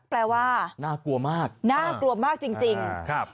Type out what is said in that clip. แปลว่าน่ากลัวมากน่ากลัวมากจริงครับ